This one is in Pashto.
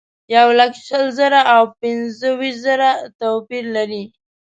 یولک شل زره او پنځه ویشت زره توپیر لري.